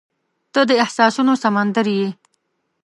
• ته د احساسونو سمندر یې.